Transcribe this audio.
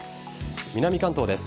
南関東です。